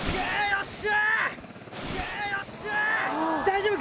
よし！